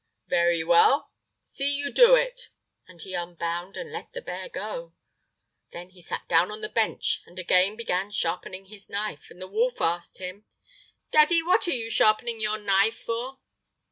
"Very well, see you do it," and he unbound and let the bear go. Then he sat down on the bench and again began sharpening his knife. And the wolf asked him: "Daddy, what are you sharpening your knife for?"